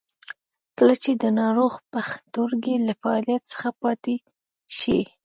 کله چې د ناروغ پښتورګي له فعالیت څخه پاتې شي.